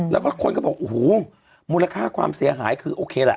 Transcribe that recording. แล้วก็คนก็บอกโอ้โหมูลค่าความเสียหายคือโอเคแหละ